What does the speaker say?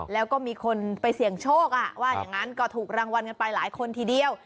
แล้วก็มีคนไปเสี่ยงโชคว่าอย่างนั้นก็ถูกรางวัลกันไปหลายคนทีเดียว